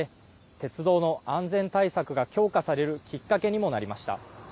鉄道の安全対策が強化されるきっかけにもなりました。